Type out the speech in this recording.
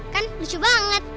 kan lucu banget